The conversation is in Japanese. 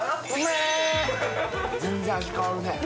全然、味変わるね。